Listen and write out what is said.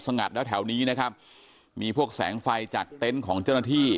งัดแล้วแถวนี้นะครับมีพวกแสงไฟจากเต็นต์ของเจ้าหน้าที่